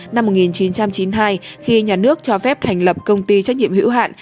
năm một nghìn chín trăm chín mươi hai khi nhà nước cho phép thành lập công ty trách nhiệm hữu hạn